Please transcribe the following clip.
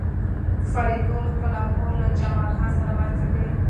فریدګل خپله مور له جمال خان سره معرفي کړه